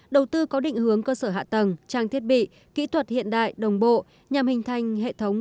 đầu tư có định hướng cơ sở hạ tầng trang thiết bị kỹ thuật hiện đại đồng bộ nhằm hình thành hệ thống